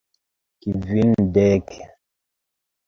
Kvindek!